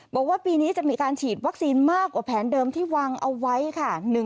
บอกว่าปีนี้จะมีการฉีดวัคซีนมากกว่าแผนเดิมที่วางเอาไว้ค่ะ